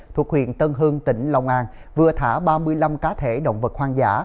thuộc huyện tân hương tỉnh lòng an vừa thả ba mươi năm cá thể động vật hoang dã